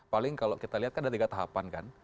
paling kalau kita lihat kan ada tiga tahapan kan